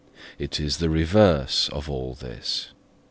It is the reverse of all this.